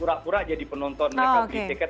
pura pura jadi penonton mereka beli tiket